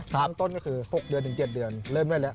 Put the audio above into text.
ตั้งต้นก็คือ๖๗เดือนเริ่มได้แล้ว